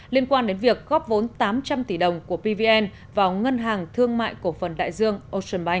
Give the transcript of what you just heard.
liên quan đến việc góp vốn tám trăm linh tỷ đồng của pvn vào ngân hàng thương mại cổ phần đại dương ocean bank